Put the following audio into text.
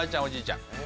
おじいちゃん。